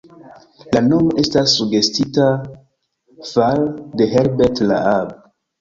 La nomo estas sugestita far'de Herbert Raab.